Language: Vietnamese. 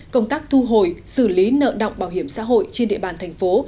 công tác thu hồi xử lý nợ động bảo hiểm xã hội trên địa bàn thành phố